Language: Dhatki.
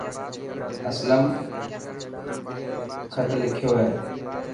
اسلم خطلکيو هي.